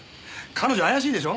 彼女怪しいでしょ？